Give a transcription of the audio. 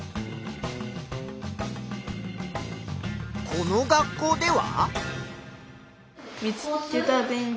この学校では？